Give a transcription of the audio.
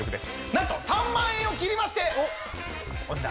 なんと３万円を切りましてお値段。